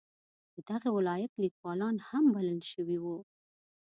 د دغه ولایت لیکوالان هم بلل شوي وو.